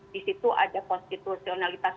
di situ ada konstitusionalitas